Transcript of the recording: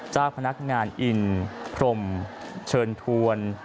เจ้าพนักงานอินพรมเชิญทวน